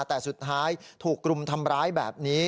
แต่สุดท้ายถูกกลุ่มทำร้ายแบบนี้